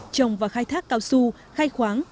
trồng và khai thác cao su khai khoáng